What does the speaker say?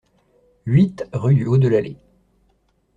huit rue du Haut de l'Allée